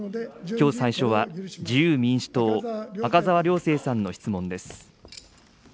きょう最初は、自由民主党、赤澤亮正さんの質問です。